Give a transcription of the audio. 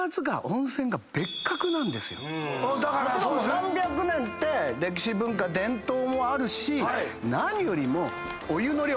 何百年って歴史文化伝統もあるし何よりもお湯の量。